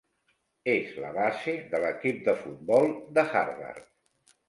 És la base de l'equip de futbol de Harvard.